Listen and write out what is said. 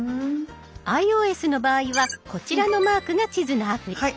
ｉＯＳの場合はこちらのマークが地図のアプリ。